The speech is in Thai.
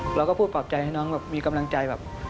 เราก็พูดปอบใจให้น้องมีกำลังใจ